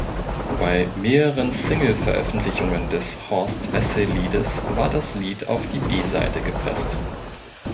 Bei mehreren Single-Veröffentlichungen des Horst-Wessel-Liedes war das Lied auf die B-Seite gepresst.